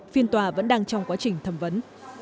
phiên tòa vẫn đang trong quá trình thẩm vấn